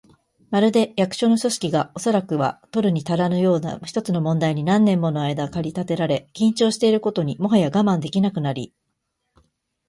まるで、役所の組織が、おそらくは取るにたらぬような一つの問題に何年ものあいだ駆り立てられ、緊張していることにもはや我慢できなくなり、